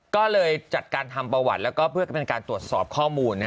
ก็เลยจัดการทำประวัติแล้วก็เพื่อเป็นการตรวจสอบข้อมูล